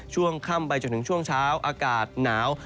ช่วงค่ำไปจนถึงช่วงเช้าอากาศหนาว